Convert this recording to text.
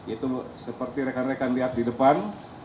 itu seperti rekan rekan lihat di depan